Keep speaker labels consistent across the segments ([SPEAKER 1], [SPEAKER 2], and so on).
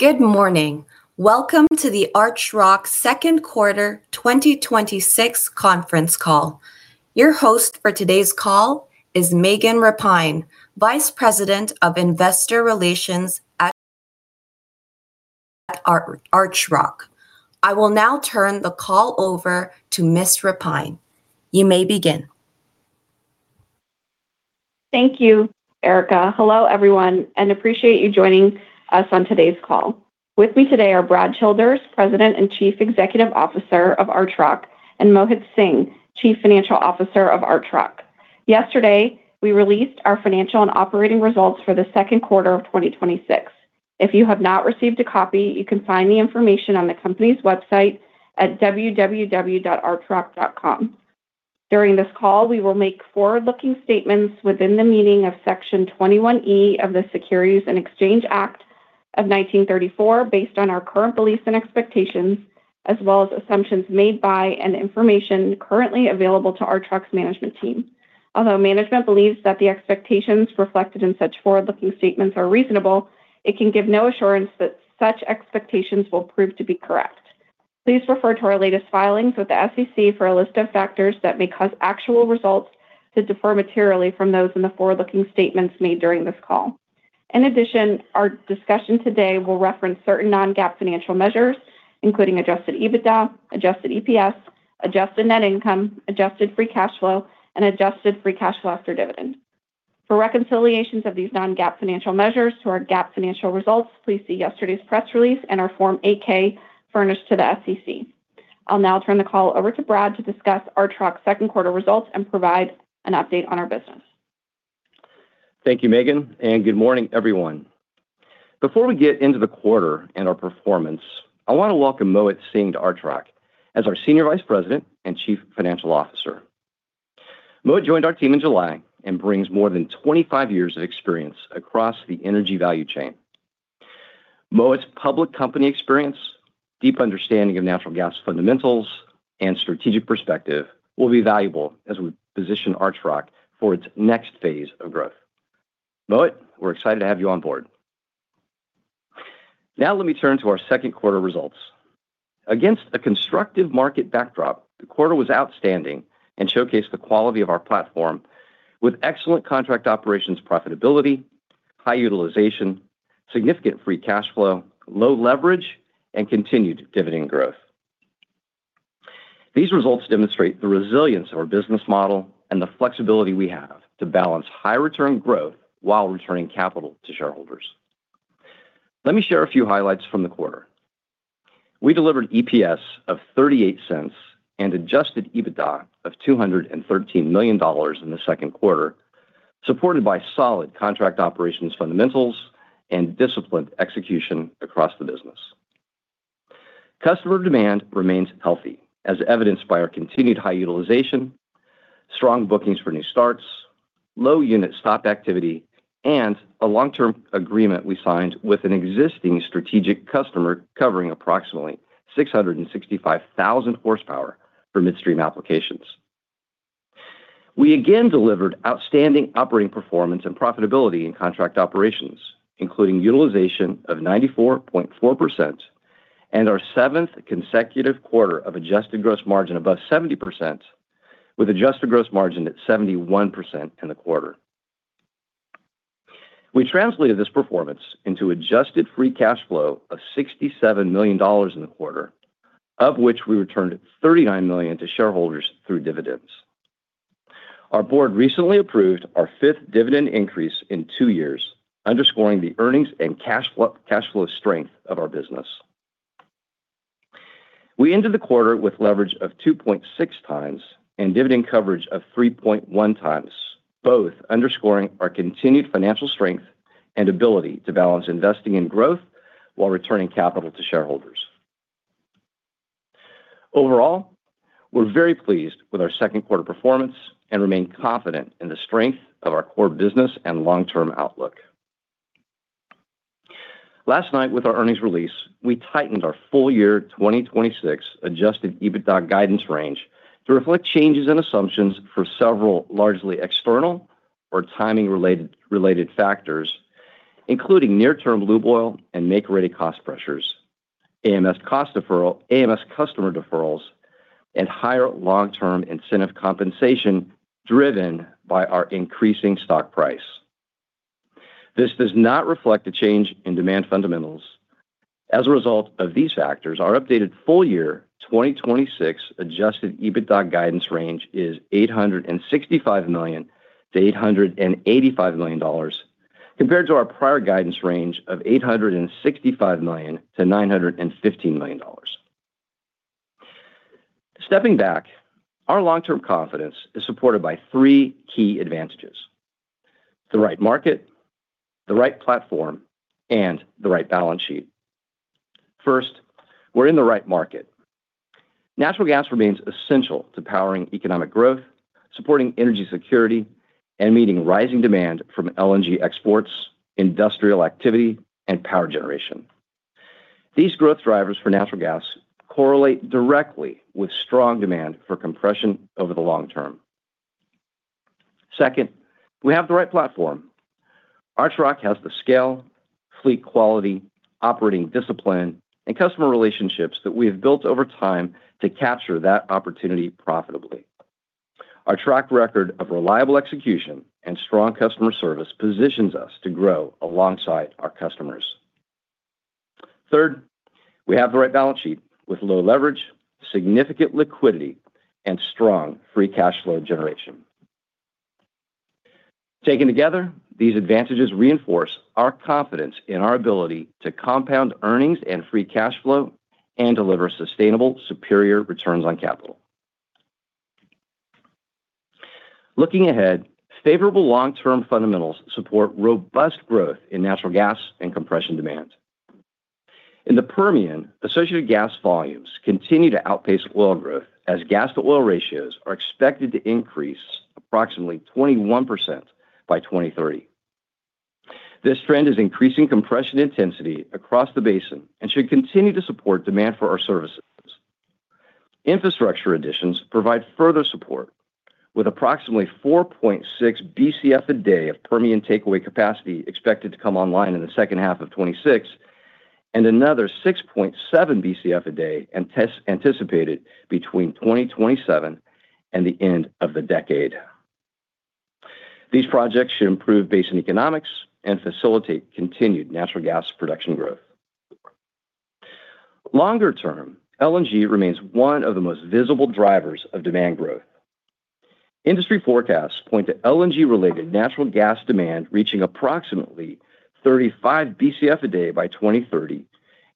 [SPEAKER 1] Good morning. Welcome to the Archrock second quarter 2026 conference call. Your host for today's call is Megan Repine, Vice President of Investor Relations at Archrock. I will now turn the call over to Ms. Repine. You may begin.
[SPEAKER 2] Thank you, Erica. Hello, everyone, appreciate you joining us on today's call. With me today are Brad Childers, President and Chief Executive Officer of Archrock, and Mohit Singh, Chief Financial Officer of Archrock. Yesterday, we released our financial and operating results for the second quarter of 2026. If you have not received a copy, you can find the information on the company's website at www.archrock.com. During this call, we will make forward-looking statements within the meaning of Section 21E of the Securities Exchange Act of 1934, based on our current beliefs and expectations, as well as assumptions made by and information currently available to Archrock's management team. Although management believes that the expectations reflected in such forward-looking statements are reasonable, it can give no assurance that such expectations will prove to be correct. Please refer to our latest filings with the SEC for a list of factors that may cause actual results to differ materially from those in the forward-looking statements made during this call. In addition, our discussion today will reference certain non-GAAP financial measures, including adjusted EBITDA, adjusted EPS, adjusted net income, adjusted free cash flow, and adjusted free cash flow after dividend. For reconciliations of these non-GAAP financial measures to our GAAP financial results, please see yesterday's press release and our Form 8-K furnished to the SEC. I'll now turn the call over to Brad to discuss Archrock's second quarter results and provide an update on our business.
[SPEAKER 3] Thank you, Megan, good morning, everyone. Before we get into the quarter and our performance, I want to welcome Mohit Singh to Archrock as our Senior Vice President and Chief Financial Officer. Mohit joined our team in July and brings more than 25 years of experience across the energy value chain. Mohit's public company experience, deep understanding of natural gas fundamentals, and strategic perspective will be valuable as we position Archrock for its next phase of growth. Mohit, we're excited to have you on board. Now let me turn to our second quarter results. Against a constructive market backdrop, the quarter was outstanding and showcased the quality of our platform with excellent contract operations profitability, high utilization, significant free cash flow, low leverage, and continued dividend growth. These results demonstrate the resilience of our business model and the flexibility we have to balance high return growth while returning capital to shareholders. Let me share a few highlights from the quarter. We delivered EPS of $0.38 and adjusted EBITDA of $213 million in the second quarter, supported by solid contract operations fundamentals and disciplined execution across the business. Customer demand remains healthy, as evidenced by our continued high utilization, strong bookings for new starts, low unit stop activity, and a long-term agreement we signed with an existing strategic customer covering approximately 665,000 horsepower for midstream applications. We again delivered outstanding operating performance and profitability in contract operations, including utilization of 94.4% and our seventh consecutive quarter of adjusted gross margin above 70%, with adjusted gross margin at 71% in the quarter. We translated this performance into adjusted free cash flow of $67 million in the quarter, of which we returned $39 million to shareholders through dividends. Our board recently approved our fifth dividend increase in two years, underscoring the earnings and cash flow strength of our business. We ended the quarter with leverage of 2.6x and dividend coverage of 3.1x, both underscoring our continued financial strength and ability to balance investing in growth while returning capital to shareholders. Overall, we're very pleased with our second quarter performance and remain confident in the strength of our core business and long-term outlook. Last night with our earnings release, we tightened our full-year 2026 adjusted EBITDA guidance range to reflect changes in assumptions for several largely external or timing-related factors, including near-term lube oil and make-ready cost pressures, AMS customer deferrals, and higher long-term incentive compensation driven by our increasing stock price. This does not reflect a change in demand fundamentals. As a result of these factors, our updated full-year 2026 adjusted EBITDA guidance range is $865 million-$885 million, compared to our prior guidance range of $865 million-$915 million. Stepping back, our long-term confidence is supported by three key advantages: the right market, the right platform, and the right balance sheet. First, we're in the right market. Natural gas remains essential to powering economic growth, supporting energy security, and meeting rising demand from LNG exports, industrial activity, and power generation. These growth drivers for natural gas correlate directly with strong demand for compression over the long term. Second, we have the right platform. Archrock has the scale, fleet quality, operating discipline, and customer relationships that we have built over time to capture that opportunity profitably. Our track record of reliable execution and strong customer service positions us to grow alongside our customers. Third, we have the right balance sheet with low leverage, significant liquidity, and strong free cash flow generation. Taken together, these advantages reinforce our confidence in our ability to compound earnings and free cash flow and deliver sustainable superior returns on capital. Looking ahead, favorable long-term fundamentals support robust growth in natural gas and compression demand. In the Permian, associated gas volumes continue to outpace oil growth as gas-to-oil ratios are expected to increase approximately 21% by 2030. This trend is increasing compression intensity across the basin and should continue to support demand for our services. Infrastructure additions provide further support with approximately 4.6 Bcf/d of Permian takeaway capacity expected to come online in the second half of 2026, and another 6.7 Bcf/d anticipated between 2027 and the end of the decade. These projects should improve basin economics and facilitate continued natural gas production growth. Longer term, LNG remains one of the most visible drivers of demand growth. Industry forecasts point to LNG-related natural gas demand reaching approximately 35 Bcf/d by 2030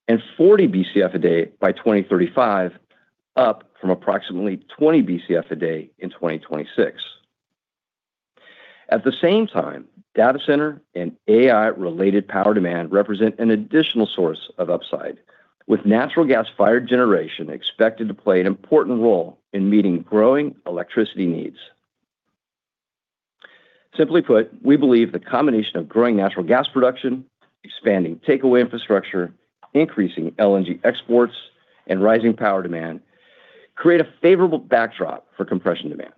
[SPEAKER 3] and 40 Bcf/d by 2035, up from approximately 20 Bcf/d in 2026. At the same time, data center and AI-related power demand represent an additional source of upside, with natural gas-fired generation expected to play an important role in meeting growing electricity needs. Simply put, we believe the combination of growing natural gas production, expanding takeaway infrastructure, increasing LNG exports, and rising power demand create a favorable backdrop for compression demand.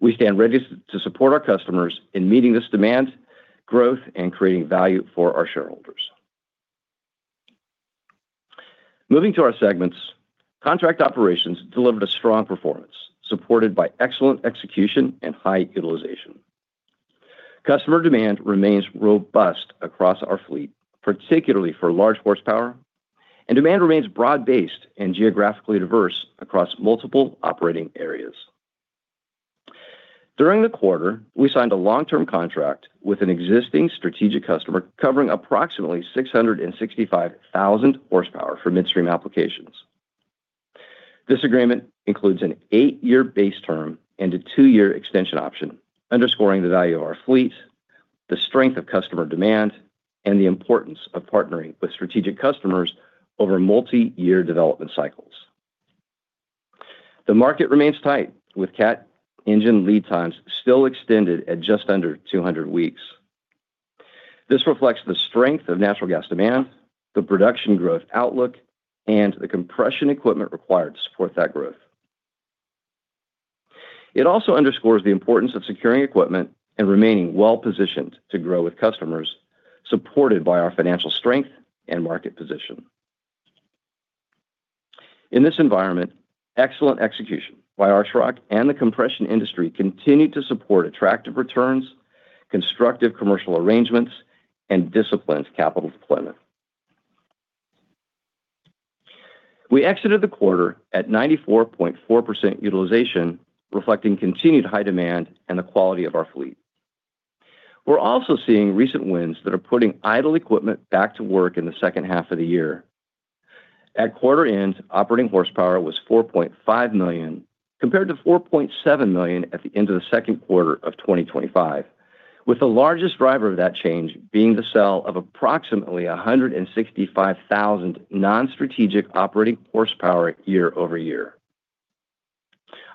[SPEAKER 3] We stand ready to support our customers in meeting this demand growth and creating value for our shareholders. Moving to our segments, contract operations delivered a strong performance supported by excellent execution and high utilization. Customer demand remains robust across our fleet, particularly for large horsepower, and demand remains broad-based and geographically diverse across multiple operating areas. During the quarter, we signed a long-term contract with an existing strategic customer covering approximately 665,000 horsepower for midstream applications. This agreement includes an eight-year base term and a two-year extension option, underscoring the value of our fleet, the strength of customer demand, and the importance of partnering with strategic customers over multi-year development cycles. The market remains tight, with Cat engine lead times still extended at just under 200 weeks. This reflects the strength of natural gas demand, the production growth outlook, and the compression equipment required to support that growth. It also underscores the importance of securing equipment and remaining well-positioned to grow with customers, supported by our financial strength and market position. In this environment, excellent execution by Archrock and the compression industry continued to support attractive returns, constructive commercial arrangements, and disciplined capital deployment. We exited the quarter at 94.4% utilization, reflecting continued high demand and the quality of our fleet. We are also seeing recent wins that are putting idle equipment back to work in the second half of the year. At quarter end, operating horsepower was 4.5 million, compared to 4.7 million at the end of the second quarter of 2025, with the largest driver of that change being the sale of approximately 165,000 non-strategic operating horsepower year-over-year.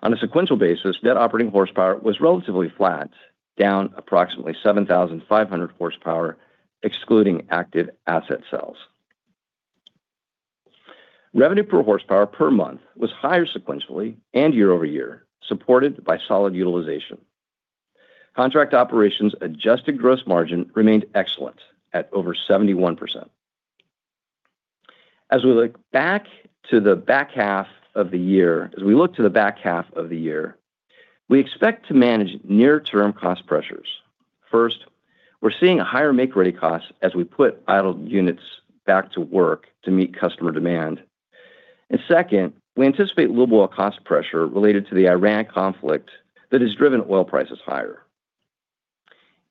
[SPEAKER 3] On a sequential basis, net operating horsepower was relatively flat, down approximately 7,500 horsepower, excluding active asset sales. Revenue per horsepower per month was higher sequentially and year-over-year, supported by solid utilization. Contract operations adjusted gross margin remained excellent at over 71%. As we look to the back half of the year, we expect to manage near-term cost pressures. First, we are seeing a higher make-ready cost as we put idle units back to work to meet customer demand. Second, we anticipate low oil cost pressure related to the Iran conflict that has driven oil prices higher.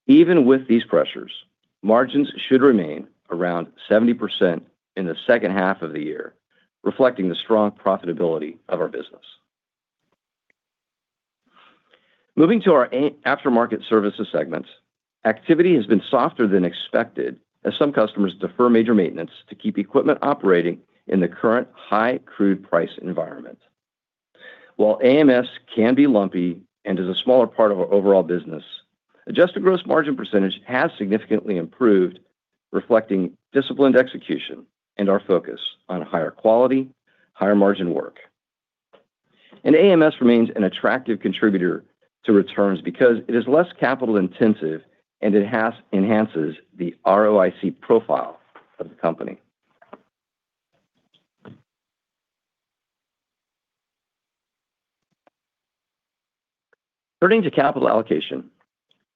[SPEAKER 3] Even with these pressures, margins should remain around 70% in the second half of the year, reflecting the strong profitability of our business. Moving to our Aftermarket Services segment, activity has been softer than expected as some customers defer major maintenance to keep equipment operating in the current high crude price environment. While AMS can be lumpy and is a smaller part of our overall business, adjusted gross margin percentage has significantly improved, reflecting disciplined execution and our focus on higher quality, higher margin work. AMS remains an attractive contributor to returns because it is less capital-intensive and it enhances the ROIC profile of the company. Turning to capital allocation,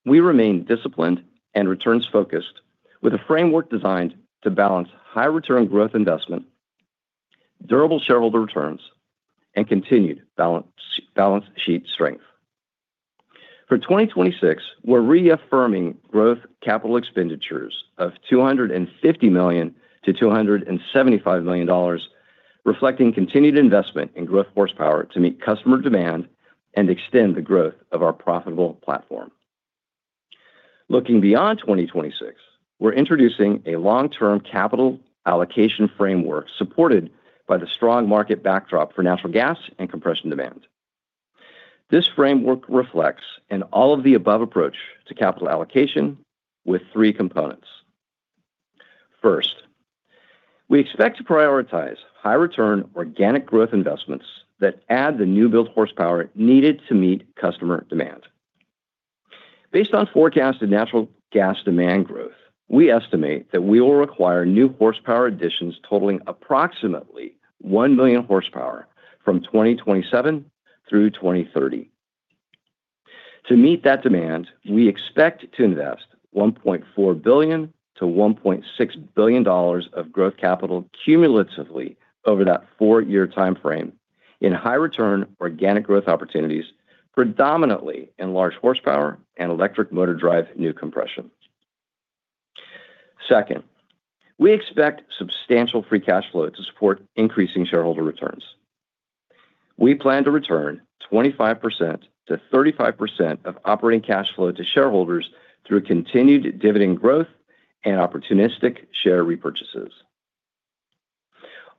[SPEAKER 3] we remain disciplined and returns-focused with a framework designed to balance high-return growth investment, durable shareholder returns, and continued balance sheet strength. For 2026, we're reaffirming growth capital expenditures of $250 million-$275 million, reflecting continued investment in growth horsepower to meet customer demand and extend the growth of our profitable platform. Looking beyond 2026, we're introducing a long-term capital allocation framework supported by the strong market backdrop for natural gas and compression demand. This framework reflects an all-of-the-above approach to capital allocation with three components. First, we expect to prioritize high-return, organic growth investments that add the new-build horsepower needed to meet customer demand. Based on forecasted natural gas demand growth, we estimate that we will require new horsepower additions totaling approximately one million horsepower from 2027 through 2030. To meet that demand, we expect to invest $1.4 billion-$1.6 billion of growth capital cumulatively over that four-year timeframe in high-return organic growth opportunities, predominantly in large horsepower and electric motor drive new compression. Second, we expect substantial free cash flow to support increasing shareholder returns. We plan to return 25%-35% of operating cash flow to shareholders through continued dividend growth and opportunistic share repurchases.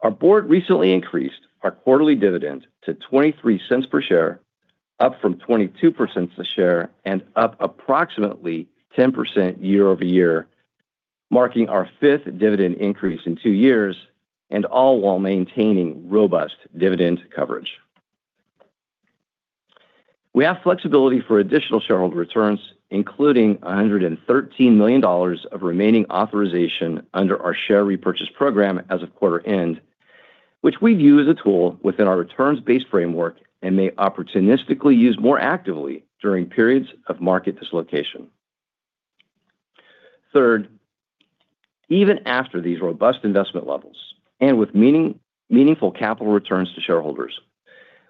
[SPEAKER 3] Our board recently increased our quarterly dividend to $0.23 per share, up from $0.22 per share and up approximately 10% year-over-year, marking our fifth dividend increase in two years, all while maintaining robust dividend coverage. We have flexibility for additional shareholder returns, including $113 million of remaining authorization under our share repurchase program as of quarter end, which we view as a tool within our returns-based framework and may opportunistically use more actively during periods of market dislocation. Third, even after these robust investment levels, and with meaningful capital returns to shareholders,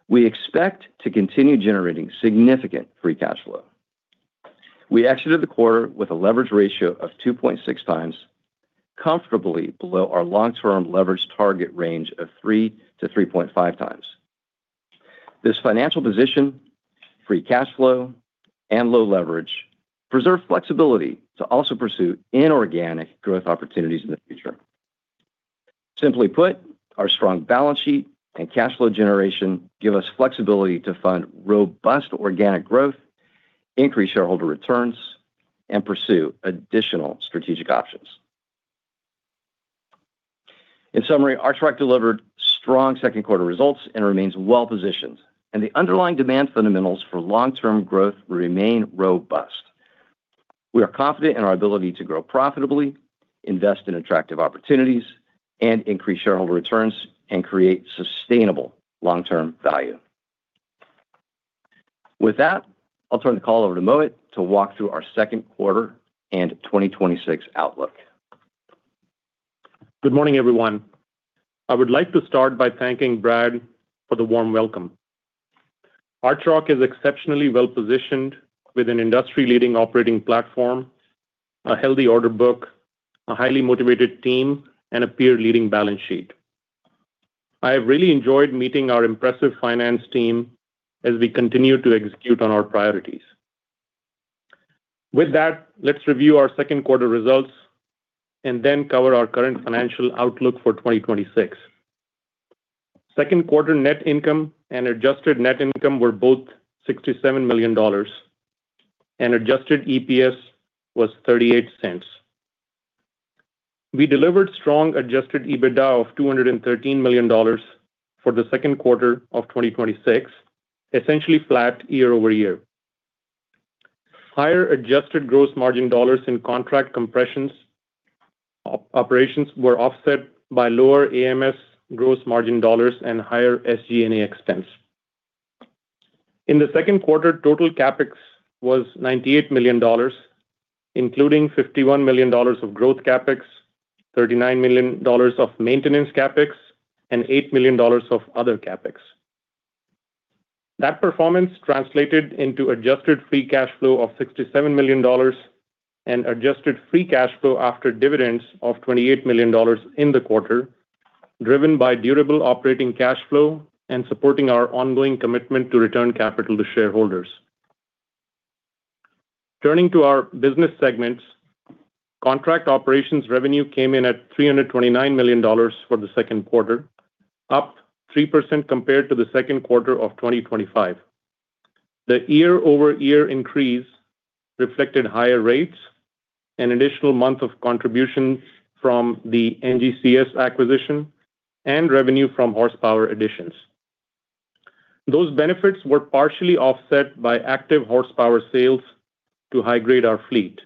[SPEAKER 3] we expect to continue generating significant free cash flow. We exited the quarter with a leverage ratio of 2.6x, comfortably below our long-term leverage target range of 3x-3.5x. This financial position, free cash flow, and low leverage preserve flexibility to also pursue inorganic growth opportunities in the future. Simply put, our strong balance sheet and cash flow generation give us flexibility to fund robust organic growth, increase shareholder returns, and pursue additional strategic options. In summary, Archrock delivered strong second quarter results and remains well-positioned. The underlying demand fundamentals for long-term growth remain robust. We are confident in our ability to grow profitably, invest in attractive opportunities, and increase shareholder returns and create sustainable long-term value. With that, I'll turn the call over to Mohit to walk through our second quarter and 2026 outlook.
[SPEAKER 4] Good morning, everyone. I would like to start by thanking Brad for the warm welcome. Archrock is exceptionally well-positioned with an industry-leading operating platform, a healthy order book, a highly motivated team, and a peer-leading balance sheet. I have really enjoyed meeting our impressive finance team as we continue to execute on our priorities. With that, let's review our second quarter results. Then cover our current financial outlook for 2026. Second quarter net income and adjusted net income were both $67 million. Adjusted EPS was $0.38. We delivered strong adjusted EBITDA of $213 million for the second quarter of 2026, essentially flat year-over-year. Higher adjusted gross margin dollars in Contract Operations were offset by lower Aftermarket Services gross margin dollars and higher SG&A expense. In the second quarter, total CapEx was $98 million, including $51 million of Growth CapEx, $39 million of Maintenance CapEx, and $8 million of other CapEx. That performance translated into adjusted free cash flow of $67 million and adjusted free cash flow after dividends of $28 million in the quarter, driven by durable operating cash flow and supporting our ongoing commitment to return capital to shareholders. Turning to our business segments, Contract Operations revenue came in at $329 million for the second quarter, up 3% compared to the second quarter of 2025. The year-over-year increase reflected higher rates, an additional month of contribution from the NGCS acquisition, and revenue from horsepower additions. Those benefits were partially offset by active horsepower sales to high-grade our fleet.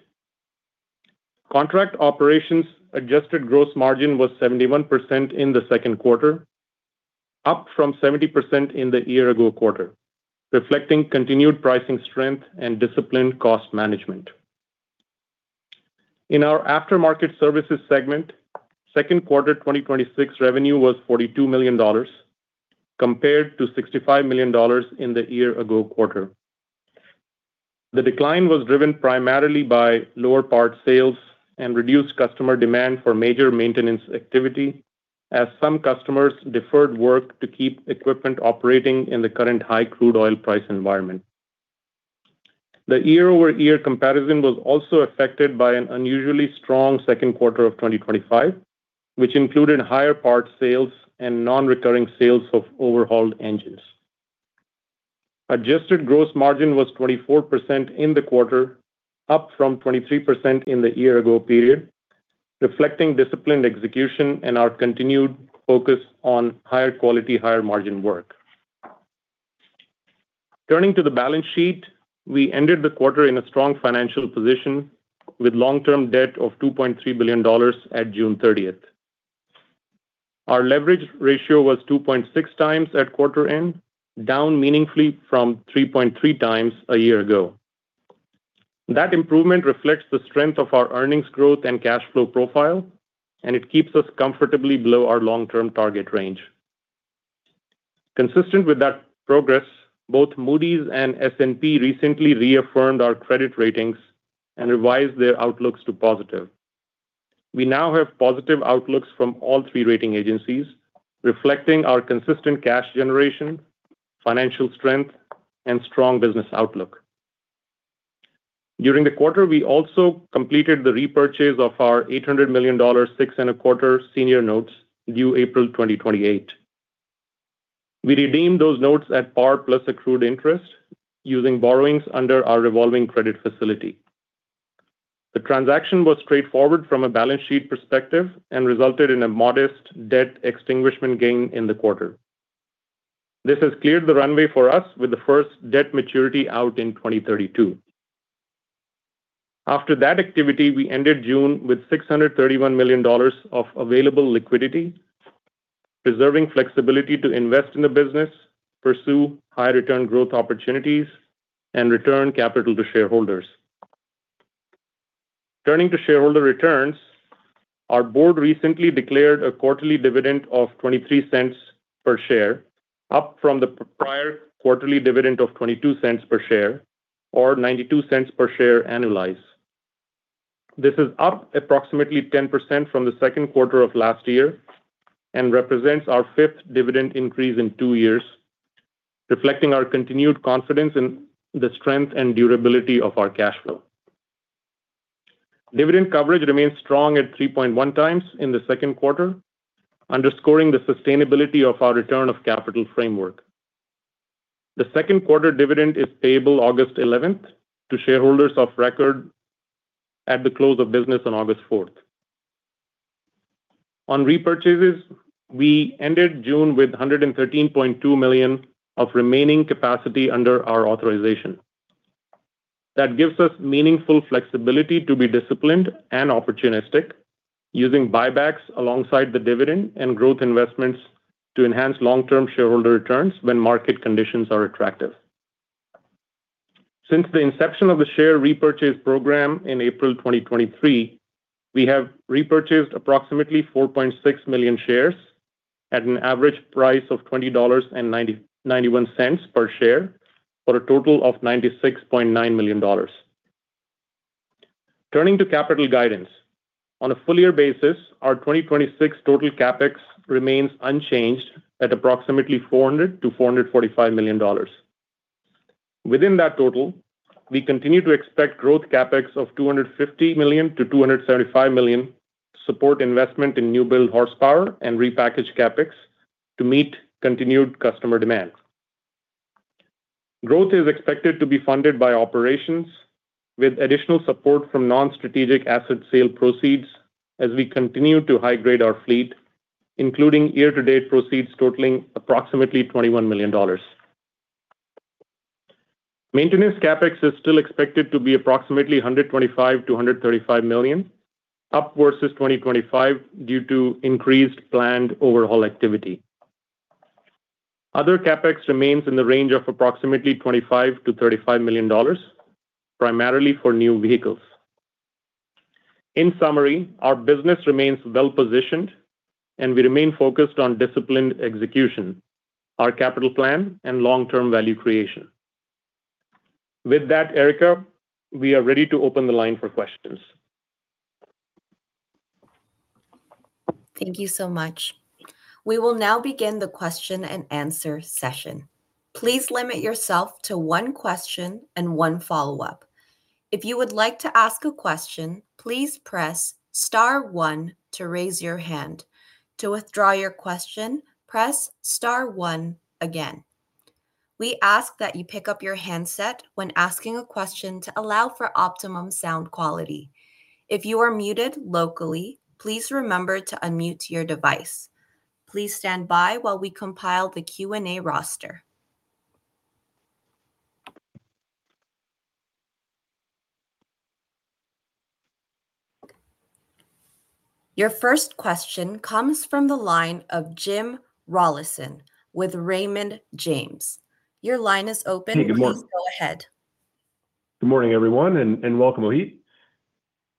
[SPEAKER 4] Contract Operations adjusted gross margin was 71% in the second quarter, up from 70% in the year ago quarter, reflecting continued pricing strength and disciplined cost management. In our Aftermarket Services segment, second quarter 2026 revenue was $42 million compared to $65 million in the year ago quarter. The decline was driven primarily by lower part sales and reduced customer demand for major maintenance activity as some customers deferred work to keep equipment operating in the current high crude oil price environment. The year-over-year comparison was also affected by an unusually strong second quarter of 2025, which included higher parts sales and non-recurring sales of overhauled engines. Adjusted gross margin was 24% in the quarter, up from 23% in the year ago period, reflecting disciplined execution and our continued focus on higher quality, higher margin work. Turning to the balance sheet, we ended the quarter in a strong financial position with long-term debt of $2.3 billion at June 30th. Our leverage ratio was 2.6x at quarter end, down meaningfully from 3.3x a year ago. That improvement reflects the strength of our earnings growth and cash flow profile. It keeps us comfortably below our long-term target range. Consistent with that progress, both Moody's and S&P recently reaffirmed our credit ratings and revised their outlooks to positive. We now have positive outlooks from all three rating agencies, reflecting our consistent cash generation, financial strength, and strong business outlook. During the quarter, we also completed the repurchase of our $800 million six and a quarter senior notes due April 2028. We redeemed those notes at par plus accrued interest using borrowings under our revolving credit facility. The transaction was straightforward from a balance sheet perspective and resulted in a modest debt extinguishment gain in the quarter. This has cleared the runway for us with the first debt maturity out in 2032. After that activity, we ended June with $631 million of available liquidity, preserving flexibility to invest in the business, pursue high return growth opportunities, and return capital to shareholders. Turning to shareholder returns, our board recently declared a quarterly dividend of $0.23 per share, up from the prior quarterly dividend of $0.22 per share or $0.92 per share annualized. This is up approximately 10% from the second quarter of last year and represents our fifth dividend increase in two years, reflecting our continued confidence in the strength and durability of our cash flow. Dividend coverage remains strong at 3.1x in the second quarter, underscoring the sustainability of our return of capital framework. The second quarter dividend is payable August 11th to shareholders of record at the close of business on August 4th. On repurchases, we ended June with $113.2 million of remaining capacity under our authorization. That gives us meaningful flexibility to be disciplined and opportunistic using buybacks alongside the dividend and growth investments to enhance long-term shareholder returns when market conditions are attractive. Since the inception of the share repurchase program in April 2023, we have repurchased approximately 4.6 million shares at an average price of $20.91 per share, for a total of $96.9 million. Turning to capital guidance. On a full year basis, our 2026 total CapEx remains unchanged at approximately $400 million-$445 million. Within that total, we continue to expect growth CapEx of $250 million-$275 million support investment in new build horsepower and repackage CapEx to meet continued customer demands. Growth is expected to be funded by operations with additional support from non-strategic asset sale proceeds as we continue to high-grade our fleet, including year-to-date proceeds totaling approximately $21 million. Maintenance CapEx is still expected to be approximately $125 million-$135 million, up versus 2025 due to increased planned overhaul activity. Other CapEx remains in the range of approximately $25 million-$35 million, primarily for new vehicles. In summary, our business remains well-positioned and we remain focused on disciplined execution, our capital plan, and long-term value creation. With that, Erica, we are ready to open the line for questions.
[SPEAKER 1] Thank you so much. We will now begin the question and answer session. Please limit yourself to one question and one follow-up. If you would like to ask a question, please press star one to raise your hand. To withdraw your question, press star one again. We ask that you pick up your handset when asking a question to allow for optimum sound quality. If you are muted locally, please remember to unmute your device. Please stand by while we compile the Q&A roster. Your first question comes from the line of Jim Rollyson with Raymond James. Your line is open.
[SPEAKER 5] Hey, good morning.
[SPEAKER 1] Please go ahead.
[SPEAKER 5] Good morning, everyone, and welcome, Mohit.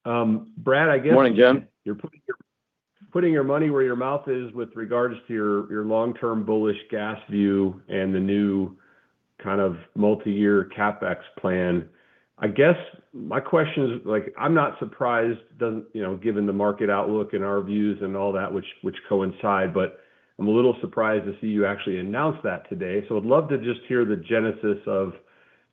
[SPEAKER 3] Morning, Jim.
[SPEAKER 5] You are putting your money where your mouth is with regards to your long-term bullish gas view and the new multi-year CapEx plan. I guess my question is, I am not surprised, given the market outlook and our views and all that, which coincide, but I am a little surprised to see you actually announce that today. Would love to just hear the genesis of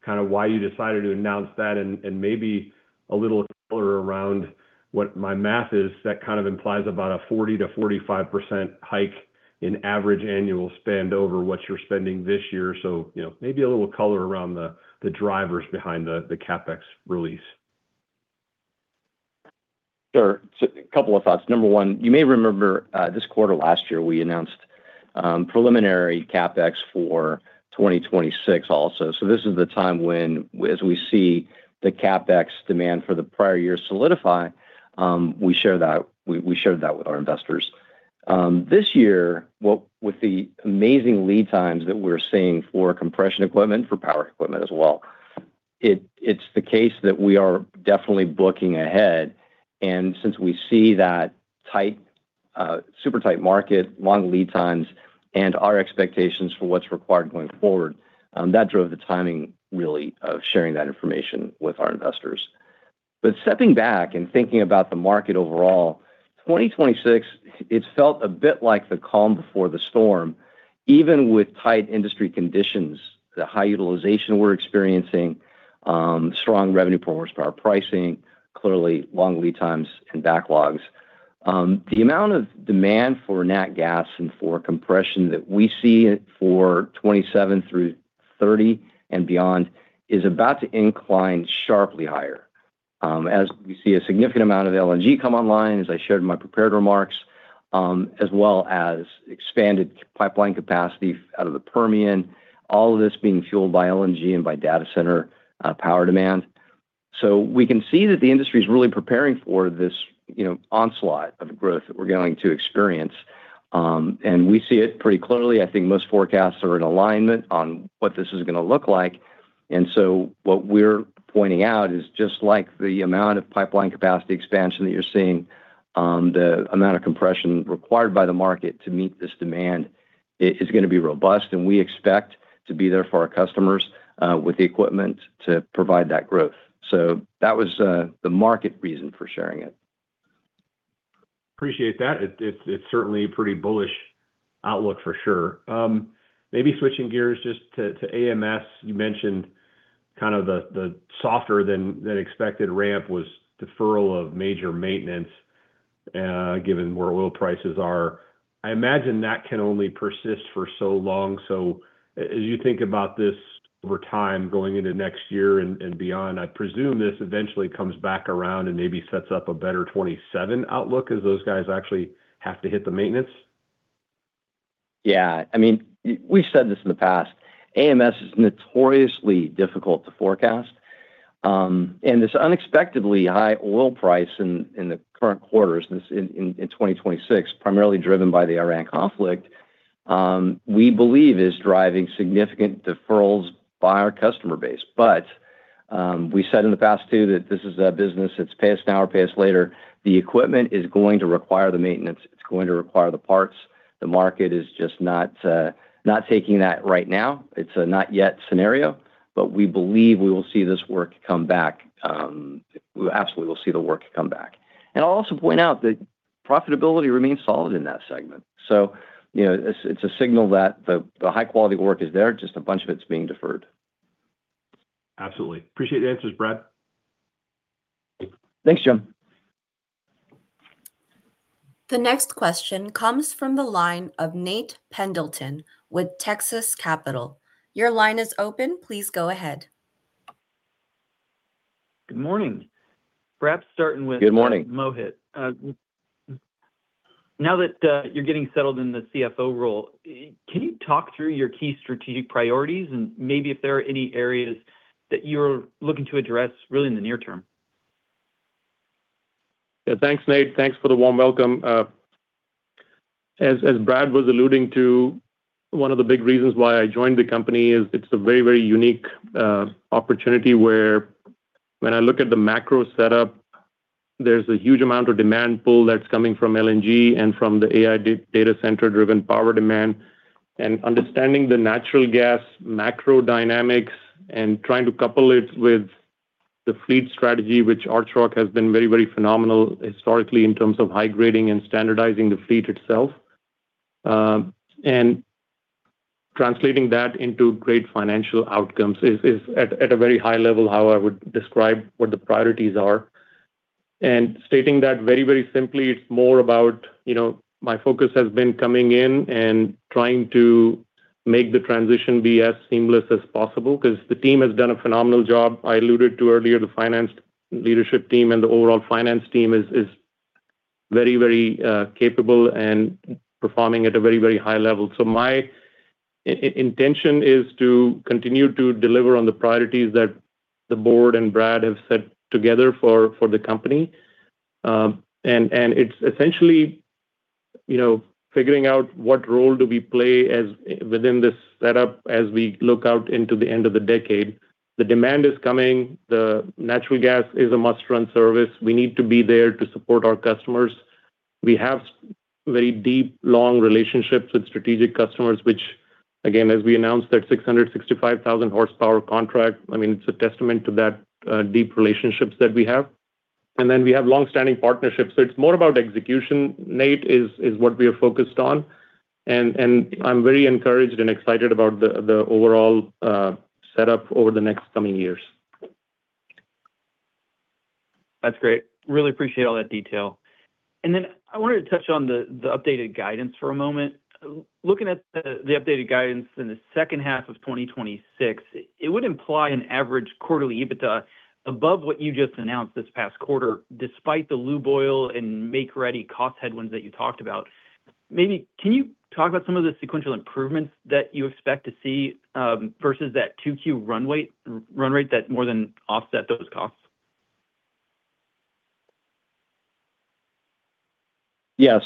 [SPEAKER 5] why you decided to announce that, and maybe a little color around what my math is. That kind of implies about a 40%-45% hike in average annual spend over what you are spending this year. Maybe a little color around the drivers behind the CapEx release.
[SPEAKER 3] Sure. A couple of thoughts. Number one, you may remember, this quarter last year, we announced preliminary CapEx for 2026 also. This is the time when, as we see the CapEx demand for the prior year solidify, we shared that with our investors. This year, with the amazing lead times that we are seeing for compression equipment, for power equipment as well, it is the case that we are definitely booking ahead. Since we see that super tight market, long lead times, and our expectations for what is required going forward, that drove the timing, really, of sharing that information with our investors. Stepping back and thinking about the market overall, 2026, it has felt a bit like the calm before the storm. Even with tight industry conditions, the high utilization we are experiencing, strong revenue performance, power pricing, clearly long lead times and backlogs. The amount of demand for nat gas and for compression that we see for 2027 through 2030 and beyond is about to incline sharply higher. As we see a significant amount of LNG come online, as I shared in my prepared remarks, as well as expanded pipeline capacity out of the Permian, all of this being fueled by LNG and by data center power demand. We can see that the industry is really preparing for this onslaught of growth that we are going to experience. We see it pretty clearly. I think most forecasts are in alignment on what this is going to look like. What we are pointing out is just like the amount of pipeline capacity expansion that you are seeing, the amount of compression required by the market to meet this demand, it is going to be robust, and we expect to be there for our customers with the equipment to provide that growth. That was the market reason for sharing it.
[SPEAKER 5] Appreciate that. It's certainly a pretty bullish outlook for sure. Maybe switching gears just to AMS. You mentioned the softer than expected ramp was deferral of major maintenance, given where oil prices are. I imagine that can only persist for so long. As you think about this over time going into next year and beyond, I presume this eventually comes back around and maybe sets up a better 2027 outlook as those guys actually have to hit the maintenance?
[SPEAKER 3] Yeah. We've said this in the past. AMS is notoriously difficult to forecast. This unexpectedly high oil price in the current quarters, in 2026, primarily driven by the Iran conflict, we believe is driving significant deferrals by our customer base. We said in the past, too, that this is a business that's pay us now or pay us later. The equipment is going to require the maintenance. It's going to require the parts. The market is just not taking that right now. It's a not yet scenario. We believe we will see this work come back. We absolutely will see the work come back. I'll also point out that profitability remains solid in that segment. It's a signal that the high-quality work is there, just a bunch of it's being deferred.
[SPEAKER 5] Absolutely. Appreciate the answers, Brad.
[SPEAKER 3] Thanks, Jim.
[SPEAKER 1] The next question comes from the line of Nate Pendleton with Texas Capital. Your line is open. Please go ahead.
[SPEAKER 6] Good morning. Perhaps.
[SPEAKER 3] Good morning.
[SPEAKER 6] Starting with Mohit. Now that you're getting settled in the CFO role, can you talk through your key strategic priorities and maybe if there are any areas that you're looking to address really in the near term?
[SPEAKER 4] Yeah. Thanks, Nate. Thanks for the warm welcome. As Brad was alluding to, one of the big reasons why I joined the company is it's a very, very unique opportunity where when I look at the macro setup, there's a huge amount of demand pull that's coming from LNG and from the AI data center-driven power demand. Understanding the natural gas macro dynamics and trying to couple it with the fleet strategy, which Archrock has been very, very phenomenal historically in terms of high grading and standardizing the fleet itself. Translating that into great financial outcomes is at a very high level how I would describe what the priorities are. Stating that very, very simply, it's more about my focus has been coming in and trying to make the transition be as seamless as possible, because the team has done a phenomenal job. I alluded to earlier the finance leadership team and the overall finance team is very capable and performing at a very high level. My intention is to continue to deliver on the priorities that the board and Brad have set together for the company. It's essentially figuring out what role do we play within this setup as we look out into the end of the decade. The demand is coming. Natural gas is a must-run service. We need to be there to support our customers. We have very deep, long relationships with strategic customers, which again, as we announced that 665,000 horsepower contract, it's a testament to that deep relationships that we have. Then we have longstanding partnerships. It's more about execution, Nate, is what we are focused on. I'm very encouraged and excited about the overall setup over the next coming years.
[SPEAKER 6] That's great. Really appreciate all that detail. I wanted to touch on the updated guidance for a moment. Looking at the updated guidance in the second half of 2026, it would imply an average quarterly EBITDA above what you just announced this past quarter, despite the lube oil and make-ready cost headwinds that you talked about. Maybe can you talk about some of the sequential improvements that you expect to see versus that 2Q run rate that more than offset those costs?
[SPEAKER 3] Yes.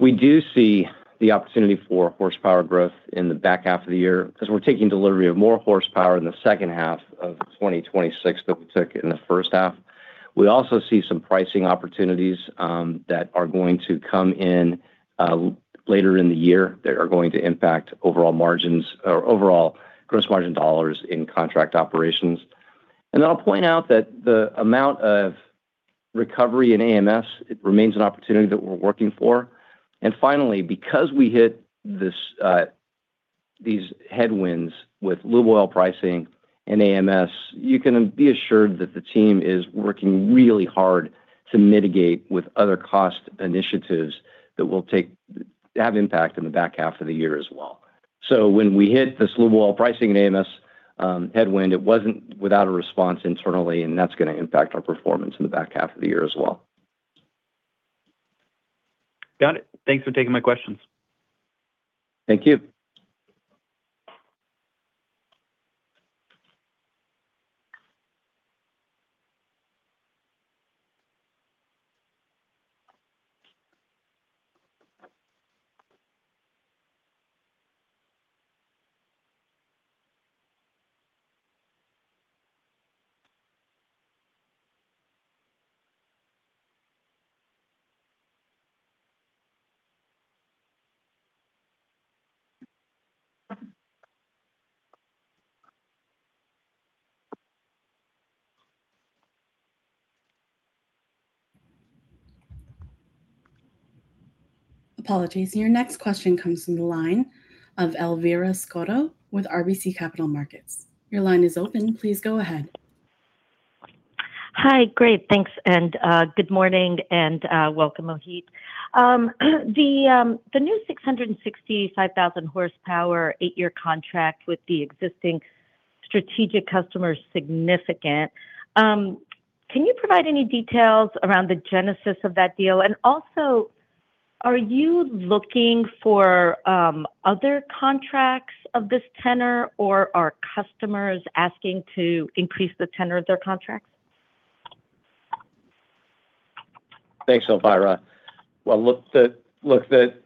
[SPEAKER 3] We do see the opportunity for horsepower growth in the back half of the year because we're taking delivery of more horsepower in the second half of 2026 than we took in the first half. We also see some pricing opportunities that are going to come in later in the year that are going to impact overall gross margin dollars in contract operations. Then I'll point out that the amount of recovery in AMS, it remains an opportunity that we're working for. Finally, because we hit these headwinds with lube oil pricing and AMS, you can be assured that the team is working really hard to mitigate with other cost initiatives that will have impact in the back half of the year as well. When we hit this lube oil pricing and AMS headwind, it wasn't without a response internally, and that's going to impact our performance in the back half of the year as well.
[SPEAKER 6] Got it. Thanks for taking my questions.
[SPEAKER 3] Thank you.
[SPEAKER 1] Apologies. Your next question comes from the line of Elvira Scotto with RBC Capital Markets. Your line is open. Please go ahead.
[SPEAKER 7] Hi. Great. Thanks, good morning, and welcome, Mohit. The new 665,000 horsepower eight-year contract with the existing strategic customer is significant. Can you provide any details around the genesis of that deal? Are you looking for other contracts of this tenor, or are customers asking to increase the tenor of their contracts?
[SPEAKER 3] Thanks, Elvira. Well, look, we're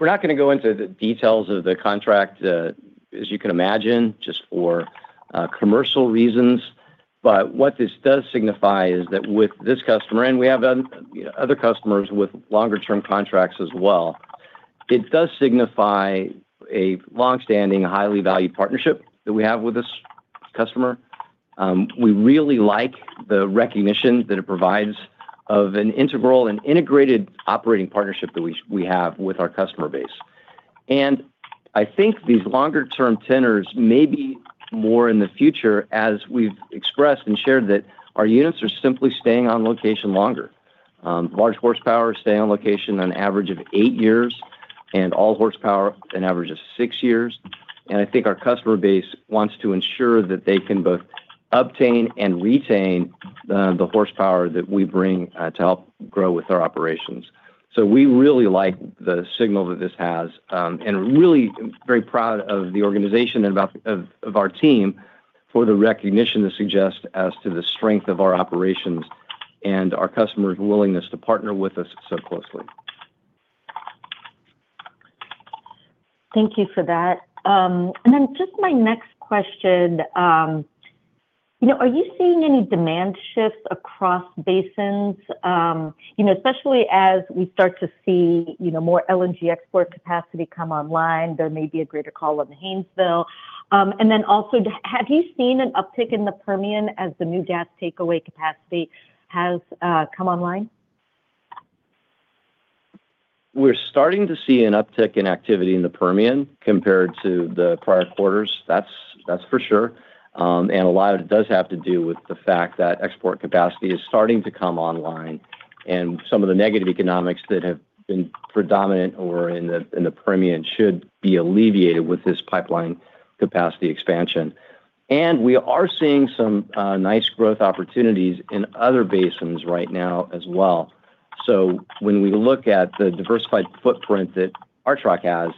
[SPEAKER 3] not going to go into the details of the contract as you can imagine, just for commercial reasons. What this does signify is that with this customer, and we have other customers with longer-term contracts as well, it does signify a longstanding, highly valued partnership that we have with this customer. We really like the recognition that it provides of an integral and integrated operating partnership that we have with our customer base. I think these longer-term tenors may be more in the future, as we've expressed and shared, that our units are simply staying on location longer. Large horsepower stay on location an average of eight years, and all horsepower an average of six years. I think our customer base wants to ensure that they can both obtain and retain the horsepower that we bring to help grow with our operations. We really like the signal that this has and really very proud of the organization and of our team for the recognition this suggests as to the strength of our operations and our customers' willingness to partner with us so closely.
[SPEAKER 7] Thank you for that. Then just my next question, are you seeing any demand shifts across basins? Especially as we start to see more LNG export capacity come online, there may be a greater call on Haynesville. Then also, have you seen an uptick in the Permian as the new gas takeaway capacity has come online?
[SPEAKER 3] We're starting to see an uptick in activity in the Permian compared to the prior quarters. That's for sure. A lot of it does have to do with the fact that export capacity is starting to come online, and some of the negative economics that have been predominant in the Permian should be alleviated with this pipeline capacity expansion. We are seeing some nice growth opportunities in other basins right now as well. When we look at the diversified footprint that Archrock has,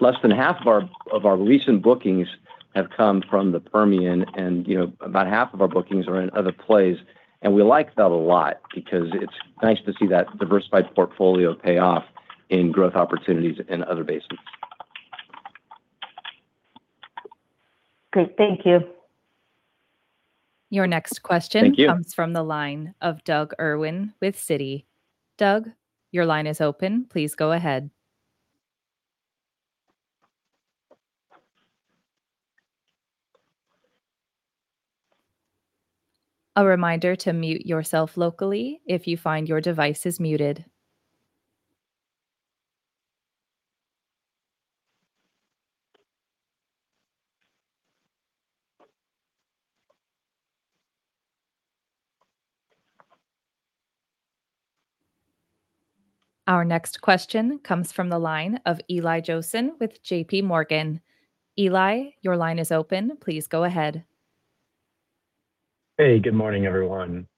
[SPEAKER 3] less than half of our recent bookings have come from the Permian and about half of our bookings are in other plays. We like that a lot because it's nice to see that diversified portfolio pay off in growth opportunities in other basins.
[SPEAKER 7] Great. Thank you.
[SPEAKER 1] Your next question.
[SPEAKER 3] Thank you.
[SPEAKER 1] comes from the line of Doug Irwin with Citi. Doug, your line is open. Please go ahead. A reminder to mute yourself locally if you find your device is muted. Our next question comes from the line of Eli Jossen with JPMorgan. Eli, your line is open. Please go ahead.
[SPEAKER 8] Hey, good morning, everyone.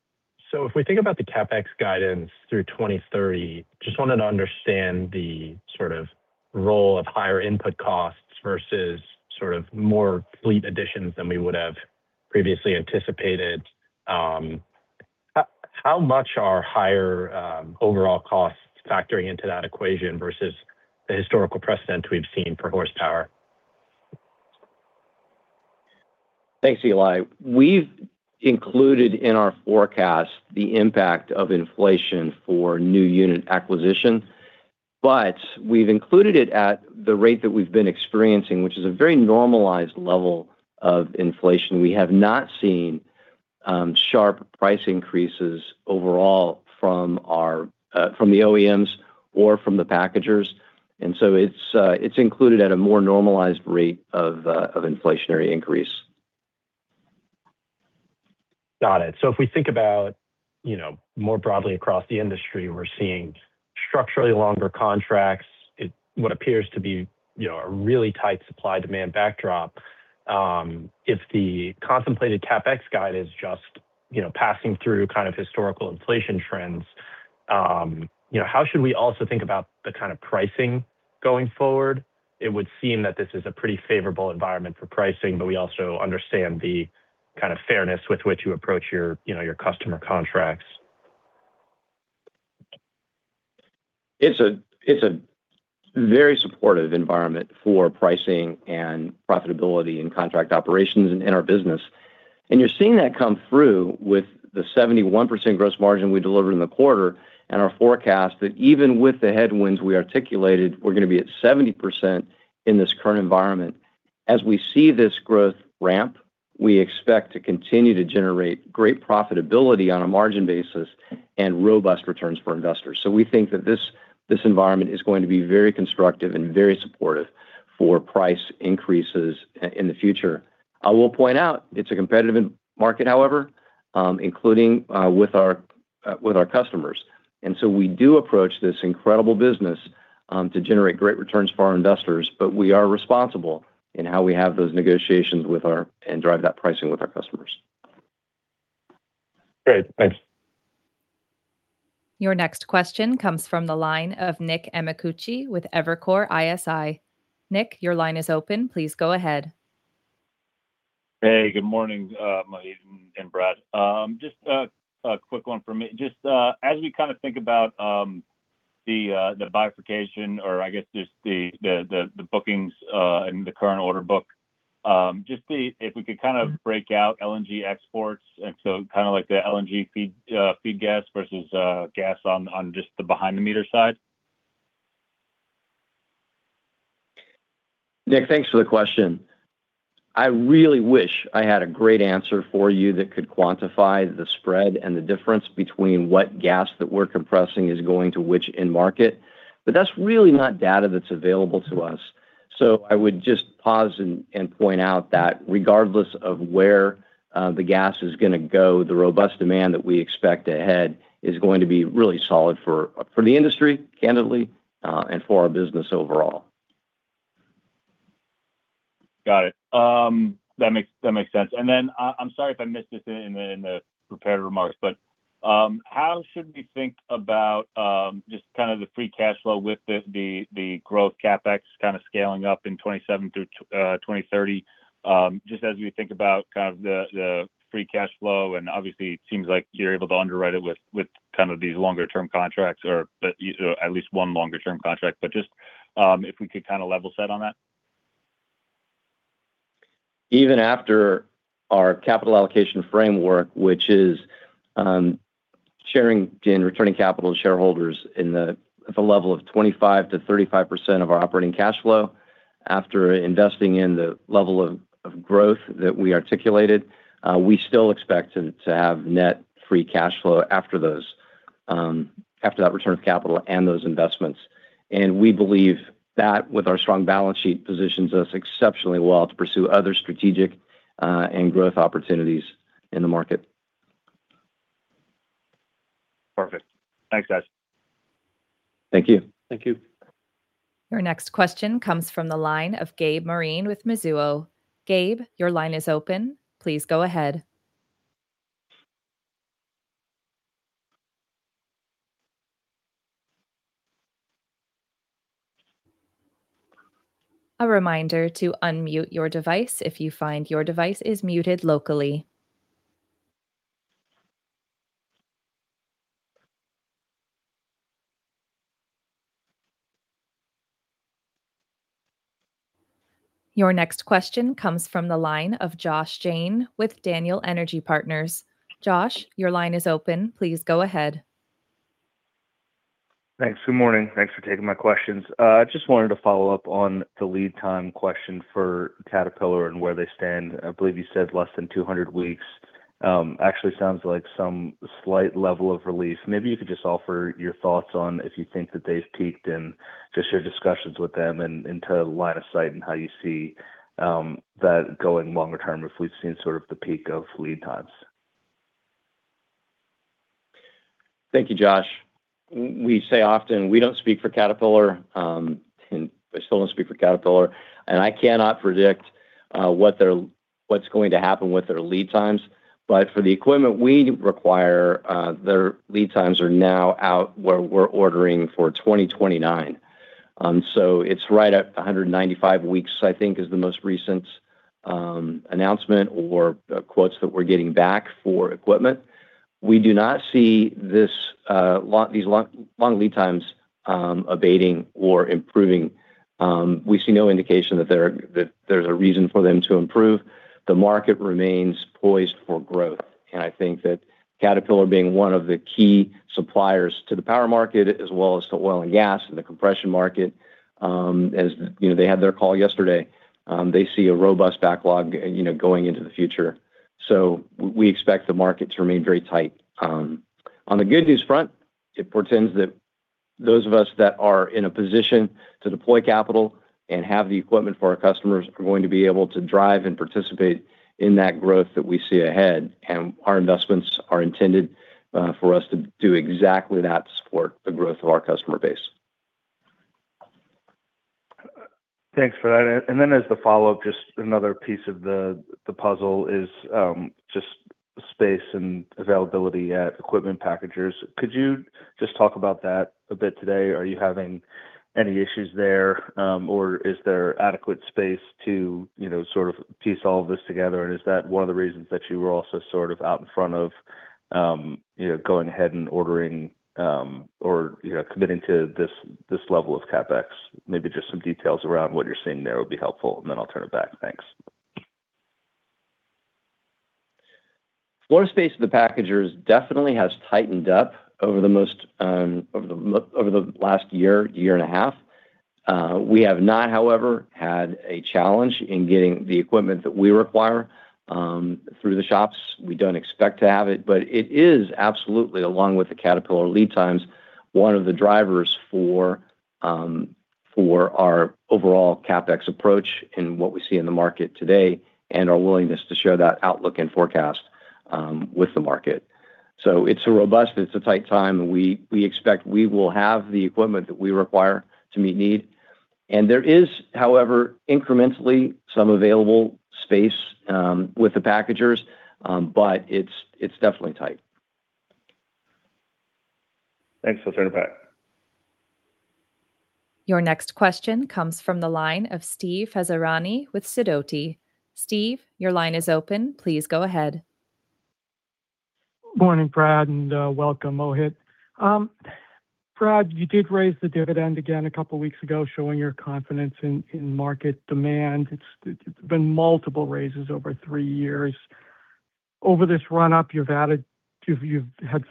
[SPEAKER 8] If we think about the CapEx guidance through 2030, just wanted to understand the role of higher input costs versus more fleet additions than we would have previously anticipated. How much are higher overall costs factoring into that equation versus the historical precedent we've seen for horsepower?
[SPEAKER 3] Thanks, Eli. We've included in our forecast the impact of inflation for new unit acquisition. We've included it at the rate that we've been experiencing, which is a very normalized level of inflation. We have not seen sharp price increases overall from the OEMs or from the packagers. It's included at a more normalized rate of inflationary increase.
[SPEAKER 8] Got it. If we think about more broadly across the industry, we're seeing structurally longer contracts, what appears to be a really tight supply-demand backdrop. If the contemplated CapEx guide is just passing through historical inflation trends, how should we also think about the kind of pricing going forward? It would seem that this is a pretty favorable environment for pricing, but we also understand the kind of fairness with which you approach your customer contracts.
[SPEAKER 3] It's a very supportive environment for pricing and profitability in contract operations in our business. You're seeing that come through with the 71% gross margin we delivered in the quarter and our forecast that even with the headwinds we articulated, we're going to be at 70% in this current environment. As we see this growth ramp, we expect to continue to generate great profitability on a margin basis and robust returns for investors. We think that this environment is going to be very constructive and very supportive for price increases in the future. I will point out, it's a competitive market, however, including with our customers. We do approach this incredible business to generate great returns for our investors, but we are responsible in how we have those negotiations with our, and drive that pricing with our customers.
[SPEAKER 8] Great. Thanks.
[SPEAKER 1] Your next question comes from the line of Nick Amicucci with Evercore ISI. Nick, your line is open. Please go ahead.
[SPEAKER 9] Hey, good morning, Mohit and Brad. Just a quick one from me. Just as we kind of think about the bifurcation or I guess just the bookings in the current order book, just if we could kind of break out LNG exports kind of like the LNG feed gas versus gas on just the behind-the-meter side.
[SPEAKER 3] Nick, thanks for the question. I really wish I had a great answer for you that could quantify the spread and the difference between what gas that we're compressing is going to which end market. That's really not data that's available to us. I would just pause and point out that regardless of where the gas is going to go, the robust demand that we expect ahead is going to be really solid for the industry, candidly, and for our business overall.
[SPEAKER 9] Got it. That makes sense. Then, I'm sorry if I missed this in the prepared remarks, how should we think about just kind of the free cash flow with the growth CapEx kind of scaling up in 2027 through 2030? Just as we think about kind of the free cash flow, and obviously it seems like you're able to underwrite it with kind of these longer-term contracts or at least one longer-term contract, just if we could kind of level set on that.
[SPEAKER 3] Even after our capital allocation framework, which is sharing and returning capital to shareholders at the level of 25%-35% of our operating cash flow After investing in the level of growth that we articulated, we still expect to have net free cash flow after that return of capital and those investments. We believe that, with our strong balance sheet, positions us exceptionally well to pursue other strategic and growth opportunities in the market.
[SPEAKER 9] Perfect. Thanks, guys.
[SPEAKER 3] Thank you.
[SPEAKER 9] Thank you.
[SPEAKER 1] Your next question comes from the line of Gabe Moreen with Mizuho. Gabe, your line is open. Please go ahead. A reminder to unmute your device if you find your device is muted locally. Your next question comes from the line of Josh Jayne with Daniel Energy Partners. Josh, your line is open. Please go ahead.
[SPEAKER 10] Thanks. Good morning. Thanks for taking my questions. I just wanted to follow up on the lead time question for Caterpillar and where they stand. I believe you said less than 200 weeks. Actually sounds like some slight level of release. Maybe you could just offer your thoughts on if you think that they've peaked and just your discussions with them and into line of sight and how you see that going longer term, if we've seen sort of the peak of lead times.
[SPEAKER 3] Thank you, Josh. We say often we don't speak for Caterpillar, and I still don't speak for Caterpillar, and I cannot predict what's going to happen with their lead times. For the equipment we require, their lead times are now out where we're ordering for 2029. It's right at 195 weeks, I think, is the most recent announcement or quotes that we're getting back for equipment. We do not see these long lead times abating or improving. We see no indication that there's a reason for them to improve. The market remains poised for growth. I think that Caterpillar being one of the key suppliers to the power market as well as to oil and gas and the compression market, as they had their call yesterday, they see a robust backlog going into the future. We expect the market to remain very tight. On the good news front, it portends that those of us that are in a position to deploy capital and have the equipment for our customers are going to be able to drive and participate in that growth that we see ahead. Our investments are intended for us to do exactly that to support the growth of our customer base.
[SPEAKER 10] Thanks for that. As the follow-up, just another piece of the puzzle is just space and availability at equipment packagers. Could you just talk about that a bit today? Is there adequate space to piece all this together? Is that one of the reasons that you were also out in front of going ahead and ordering or committing to this level of CapEx? Maybe just some details around what you're seeing there would be helpful, and then I'll turn it back. Thanks.
[SPEAKER 3] Floor space at the packagers definitely has tightened up over the last year and a half. We have not, however, had a challenge in getting the equipment that we require through the shops. We don't expect to have it, but it is absolutely, along with the Caterpillar lead times, one of the drivers for our overall CapEx approach and what we see in the market today and our willingness to share that outlook and forecast with the market. It's a robust, it's a tight time, and we expect we will have the equipment that we require to meet need. There is, however, incrementally some available space with the packagers, but it's definitely tight.
[SPEAKER 10] Thanks. I'll turn it back.
[SPEAKER 1] Your next question comes from the line of Steve Ferazani with Sidoti. Steve, your line is open. Please go ahead.
[SPEAKER 11] Morning, Brad, welcome, Mohit. Brad, you did raise the dividend again a couple of weeks ago, showing your confidence in market demand. It's been multiple raises over three years. Over this run-up, you've had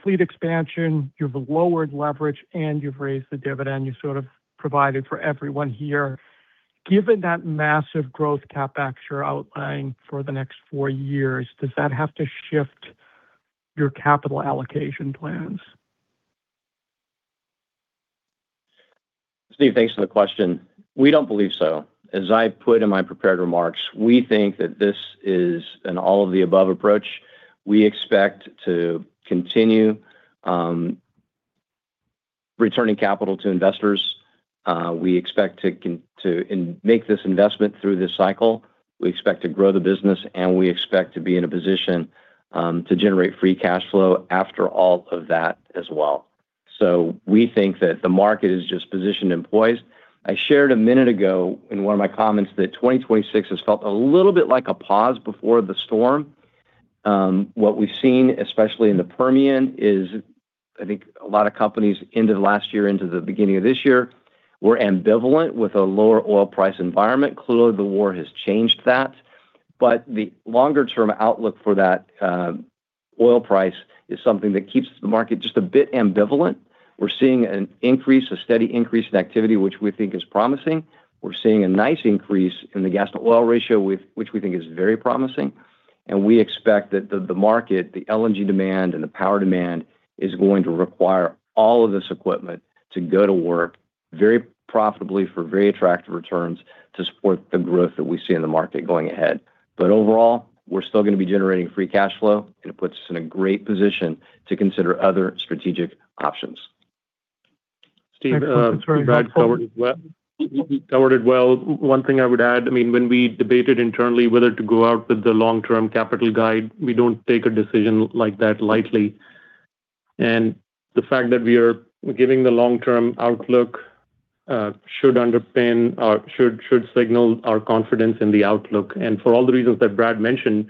[SPEAKER 11] fleet expansion, you've lowered leverage, and you've raised the dividend. You've sort of provided for everyone here. Given that massive growth CapEx you're outlying for the next four years, does that have to shift your capital allocation plans?
[SPEAKER 3] Steve, thanks for the question. We don't believe so. As I put in my prepared remarks, we think that this is an all-of-the-above approach. We expect to continue returning capital to investors. We expect to make this investment through this cycle. We expect to grow the business, and we expect to be in a position to generate free cash flow after all of that as well. We think that the market is just positioned and poised. I shared a minute ago in one of my comments that 2026 has felt a little bit like a pause before the storm. What we've seen, especially in the Permian, is I think a lot of companies into the last year, into the beginning of this year, were ambivalent with a lower oil price environment. The war has changed that. The longer-term outlook for that oil price is something that keeps the market just a bit ambivalent. We're seeing a steady increase in activity, which we think is promising. We're seeing a nice increase in the gas-to-oil ratio, which we think is very promising. We expect that the market, the LNG demand, and the power demand is going to require all of this equipment to go to work very profitably for very attractive returns to support the growth that we see in the market going ahead. Overall, we're still going to be generating free cash flow, and it puts us in a great position to consider other strategic options.
[SPEAKER 4] Steve, Brad covered well. One thing I would add, when we debated internally whether to go out with the long-term capital guide, we don't take a decision like that lightly. The fact that we are giving the long-term outlook should signal our confidence in the outlook. For all the reasons that Brad mentioned,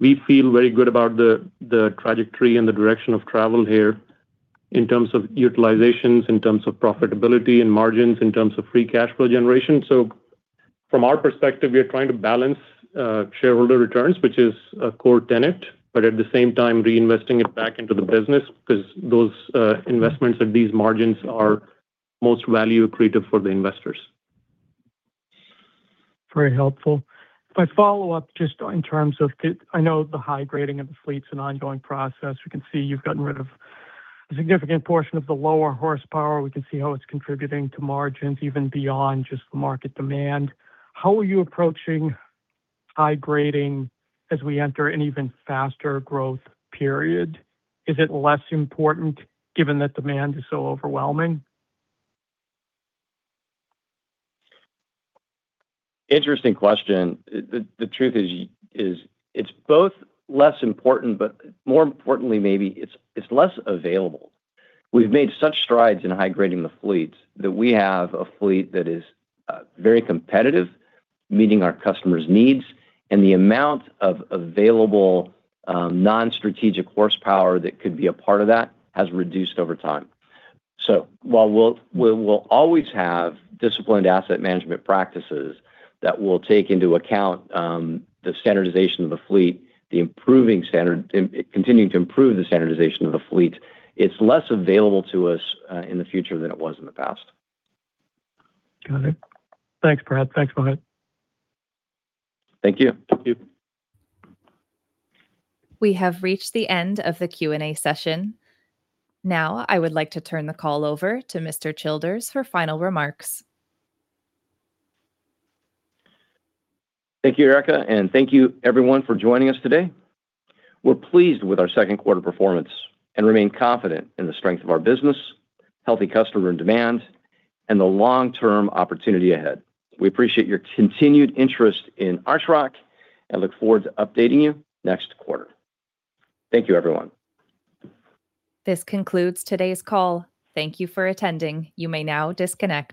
[SPEAKER 4] we feel very good about the trajectory and the direction of travel here in terms of utilizations, in terms of profitability and margins, in terms of free cash flow generation. From our perspective, we are trying to balance shareholder returns, which is a core tenet, but at the same time, reinvesting it back into the business because those investments at these margins are most value accretive for the investors.
[SPEAKER 11] Very helpful. If I follow up, just in terms of, I know the high grading of the fleet is an ongoing process. We can see you've gotten rid of a significant portion of the lower horsepower. We can see how it's contributing to margins, even beyond just the market demand. How are you approaching high grading as we enter an even faster growth period? Is it less important given that demand is so overwhelming?
[SPEAKER 3] Interesting question. The truth is, it's both less important, but more importantly, maybe it's less available. We've made such strides in high grading the fleets that we have a fleet that is very competitive, meeting our customers' needs, and the amount of available non-strategic horsepower that could be a part of that has reduced over time. While we'll always have disciplined asset management practices that will take into account the standardization of the fleet, continuing to improve the standardization of the fleet, it's less available to us in the future than it was in the past.
[SPEAKER 11] Got it. Thanks, Brad. Thanks, Mohit.
[SPEAKER 3] Thank you.
[SPEAKER 4] Thank you.
[SPEAKER 1] We have reached the end of the Q&A session. Now, I would like to turn the call over to Mr. Childers for final remarks.
[SPEAKER 3] Thank you, Erica. Thank you everyone for joining us today. We're pleased with our second quarter performance and remain confident in the strength of our business, healthy customer demand, and the long-term opportunity ahead. We appreciate your continued interest in Archrock and look forward to updating you next quarter. Thank you, everyone.
[SPEAKER 1] This concludes today's call. Thank you for attending. You may now disconnect.